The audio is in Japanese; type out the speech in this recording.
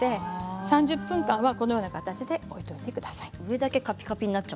３０分間はラップをかけて置いておいてください。